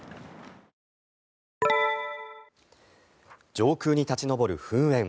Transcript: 上空に立ち上る噴煙。